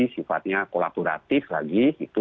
sifatnya kolaboratif lagi gitu